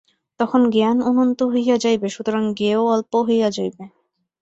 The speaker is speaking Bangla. তখন জ্ঞান অনন্ত হইয়া যাইবে, সুতরাং জ্ঞেয় অল্প হইয়া যাইবে।